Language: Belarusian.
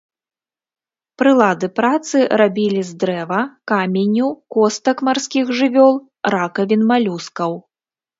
Прылады працы рабілі з дрэва, каменю, костак марскіх жывёл, ракавін малюскаў.